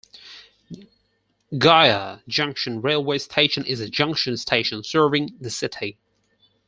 Gaya Junction railway station is a junction station serving the city.